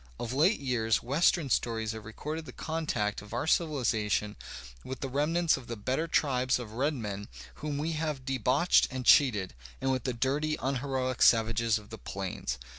Of late years western stories have recorded the contact of our civilization with the rem * nants of the better tribes of red men whom we have de / bauched and cheated, and with the dirty, unheroic savages \ of the plains.